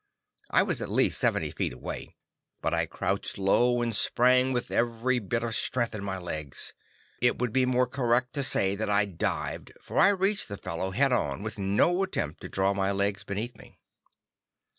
I was at least seventy feet away, but I crouched low and sprang with every bit of strength in my legs. It would be more correct to say that I dived, for I reached the fellow head on, with no attempt to draw my legs beneath me.